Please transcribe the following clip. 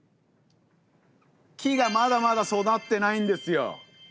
木がまだまだ育ってないんですよ。